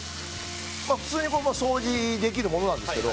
普通にこのまま掃除できるものなんですけど。